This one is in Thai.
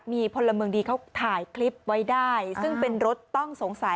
มีพลเมืองดีเขาถ่ายคลิปไว้ได้ซึ่งเป็นรถต้องสงสัย